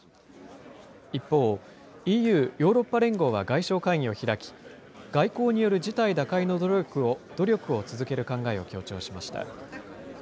一方、ＥＵ・ヨーロッパ連合は外相会議を開き、外交による事態打開の努力を続ける考えを強調しました。